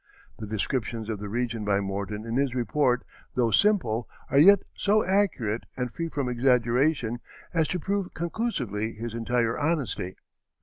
The descriptions of the region by Morton in his report, though simple, are yet so accurate and free from exaggeration as to prove conclusively his entire honesty.